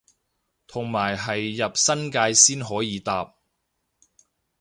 同埋係入新界先可以搭